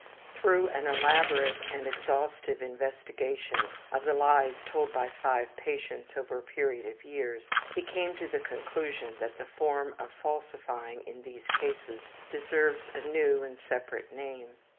Through an elaborate and exhaustive investigation of the lies told by five patients over a period of years, he came to the conclusion that the form of falsifying in these cases deserves a new and separate name.